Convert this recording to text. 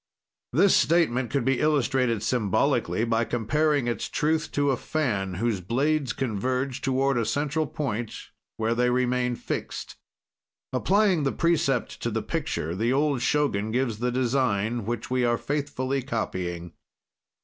This statement could be illustrated symbolically by comparing its truth to a fan, whose blades converge toward a central point where they remain fixt. Applying the precept to the picture, the old Shogun gives the design which we are faithfully copying.